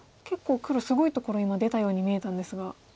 結構黒すごいところ今出たように見えたんですが。